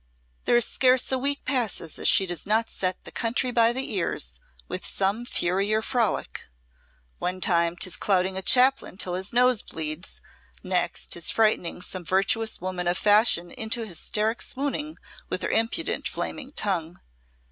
There is scarce a week passes she does not set the country by the ears with some fury or frolic. One time 'tis clouting a Chaplain till his nose bleeds; next 'tis frightening some virtuous woman of fashion into hysteric swooning with her impudent flaming tongue.